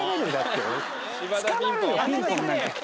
捕まるよピンポンなんか。